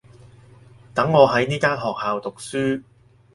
等我喺呢間學校讀書